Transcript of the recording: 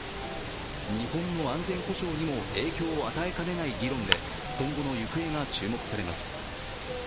日本の安全保障にも影響を与えかねない議論で今後の行方が注目されます。